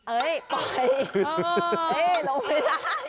เอ๊ยปล่อย